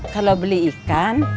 kalau beli ikan